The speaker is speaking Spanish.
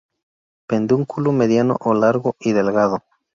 Pedúnculo mediano o largo y delgado.